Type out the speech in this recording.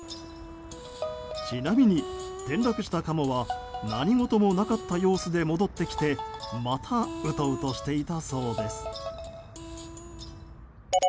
ちなみに、転落したカモは何事もなかった様子で戻ってきてまたうとうとしていたそうです。